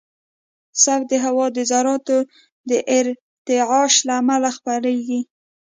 صوت د هوا د ذراتو د ارتعاش له امله خپرېږي.